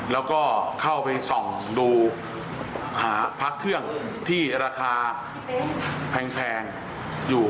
แล้วก็เข้าไปส่องดูหาพักเครื่องที่ราคาแพงอยู่